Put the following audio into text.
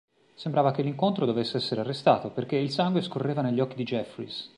Sembrava che l'incontro dovesse essere arrestato, perché il sangue scorreva negli occhi di Jeffries.